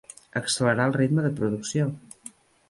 Accelerar el ritme de producció.